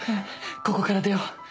ここから出よう。